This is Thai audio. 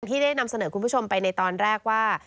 ที่ได้นำเสนอคุณผู้ชมไปในตอนแรกว่า